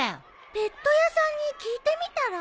ペット屋さんに聞いてみたら？